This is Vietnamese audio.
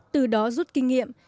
từ đó rút kinh nghiệm